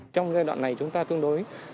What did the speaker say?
trong giai đoạn này chúng ta tương đối